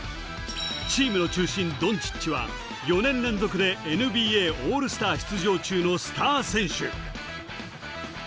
チームの中心ドンチッチは、４年連続でＮＢＡオールスター出場中のスター選手。